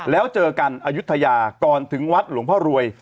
แล้วเจอกันอายุทยาก่อนถึงวัดหลวงพ่อรวย